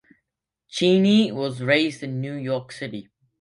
Cheney was raised in New York City.